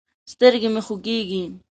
سترګې مې خوږېږي.